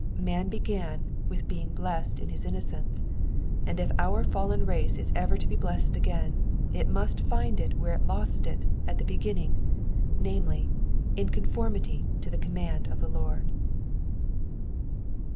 Man began with being blessed in his innocence, and if our fallen race is ever to be blessed again, it must find it where it lost it at the beginning, namely, in conformity to the command of the Lord.